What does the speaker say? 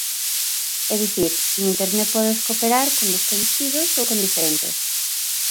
É dicir, en Internet podes cooperar con descoñecidos ou con diferentes.